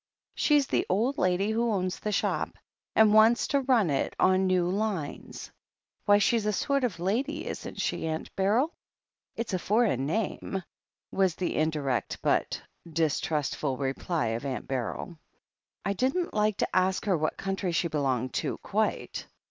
She's the old lady who owns the shop, and wants to run it on new lines. Why, she's a sort of ladj^ isn't she, Aunt Beryl?" "It's a foreign name," was the indirect, but distrust ful, reply of Aunt Beryl. "I didn't 1%$ to ask her what country she belonged to, quite.